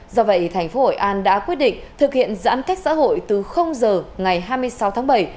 do vậy thành phố hội an đã quyết định thực hiện giãn cách xã hội từ giờ ngày hai mươi sáu tháng bảy